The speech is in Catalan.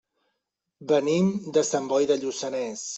Venim de Sant Boi de Lluçanès.